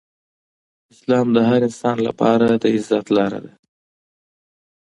اسلام د هر انسان لپاره د عزت لاره ده.